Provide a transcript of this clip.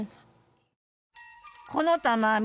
この玉編み。